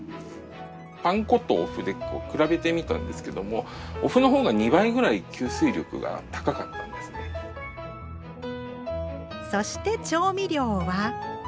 パン粉とお麩で比べてみたんですけどもそして調味料は。